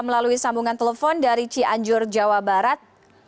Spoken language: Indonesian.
melalui sambungan telepon dari cianjur jawa barat